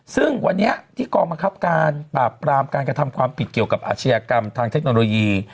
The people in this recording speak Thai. ซึ่งวันนี้ที่กองบังคับการปราบปรามการกระทำความผิดเกี่ยวกับอาชญากรรมทางเทคโนโลยี